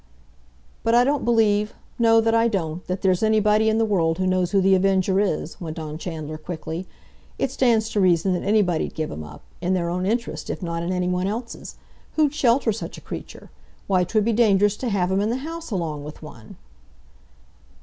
"But I don't believe—no, that I don't—that there's anybody in the world who knows who The Avenger is," went on Chandler quickly. "It stands to reason that anybody'd give him up—in their own interest, if not in anyone else's. Who'd shelter such a creature? Why, 'twould be dangerous to have him in the house along with one!"